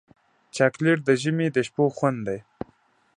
چاکلېټ د ژمي د شپو خوند دی.